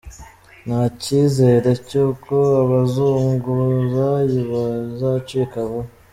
Nta cyizere cy’uko ubuzunguzayi buzacika vuba.